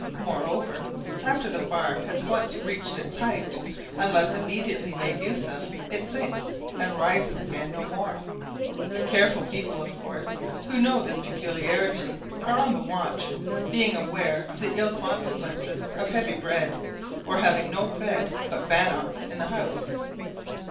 Moreover, after the barm has once reached its height, unless immediately made use of, it sinks, and rises again no more: careful people, of course, who know this peculiarity, are on the watch, being aware of the ill consequences of heavy bread, or having no bread but bannocks in the house.